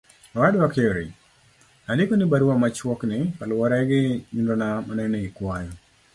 owadwa Kheri, andiko ni barua machuok ni kaluwore gi nyundona manene ikwayo